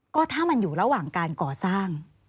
ก็ถ้ามันอยู่ระหว่างการก่อสร้าง